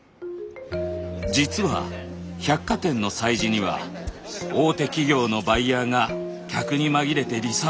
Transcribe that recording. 実は百貨店の催事には大手企業のバイヤーが客に紛れてリサーチに訪れます。